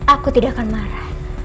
aku tidak akan marah